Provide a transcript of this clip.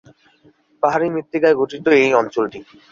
পাহাড়ী মৃত্তিকায় গঠিত এই অঞ্চলটি।